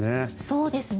そうですね。